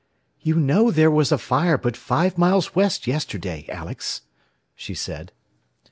"You know there was a fire but five miles west yesterday, Alex," she said.